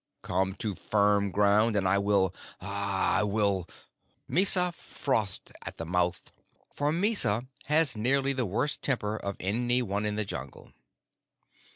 Come to firm ground, and I will I will...." Mysa frothed at the mouth, for Mysa has nearly the worst temper of any one in the Jungle.